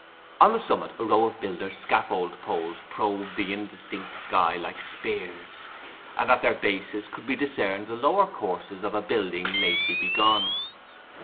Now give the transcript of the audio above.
On the summit a row of builders' scaffold poles probed the indistinct sky like spears, and at their bases could be discerned the lower courses of a building lately begun.